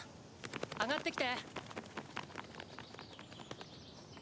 上がってきて。